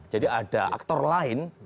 jadi ada aktor lain